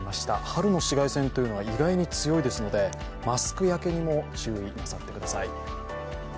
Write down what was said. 春の紫外線というのは意外に強いですのでマスク焼けにも注意なさってください。